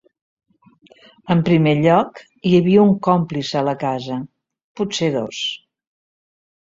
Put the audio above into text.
En primer lloc, hi havia un còmplice a la casa, potser dos.